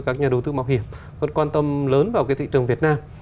các nhà đầu tư mạo hiểm luôn quan tâm lớn vào cái thị trường việt nam